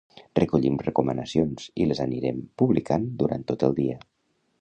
Recollim recomanacions i les anirem publicant durant tot el dia.